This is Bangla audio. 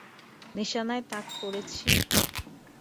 নিশানায় তাক করেছি!